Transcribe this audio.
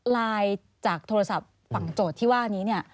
ไลน์จากโทรศัพท์ฝั่งโจทย์ที่ว่านี้เนี่ย